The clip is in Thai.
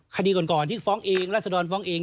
คดีก่อนที่ฟ้องเองราศดรฟ้องเอง